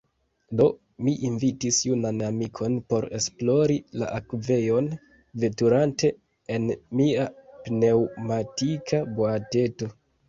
Do, mi invitis junan amikon por esplori la akvejon, veturante en mia pneŭmatika boateto.